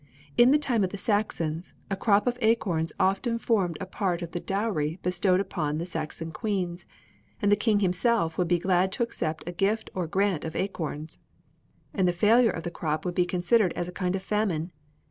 In the time of the Saxons a crop of acorns often formed a part of the dowry bestowed upon the Saxon queens, and the king himself would be glad to accept a gift or grant of acorns; and the failure of the crop would be considered as a kind of famine.